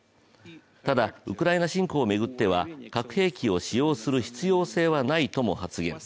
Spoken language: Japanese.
ただウクライナ侵攻を巡っては核兵器を使用する必要性はないとも発言。